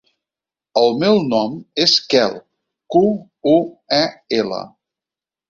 El meu nom és Quel: cu, u, e, ela.